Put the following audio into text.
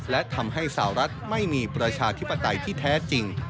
และทำให้สาวรัฐไม่มีประชาธิปไตยที่แท้จริง